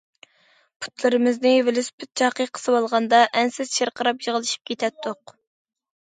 پۇتلىرىمىزنى ۋېلىسىپىت چاقى قىسىۋالغاندا، ئەنسىز چىرقىراپ يىغلىشىپ كېتەتتۇق.